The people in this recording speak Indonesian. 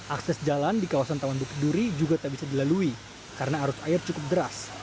akses jalan di kawasan taman bukit duri juga tak bisa dilalui karena arus air cukup deras